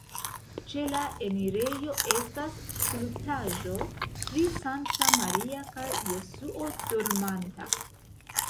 Ĉe la enirejo estas skulptaĵo pri Sankta Maria kaj Jesuo dormanta.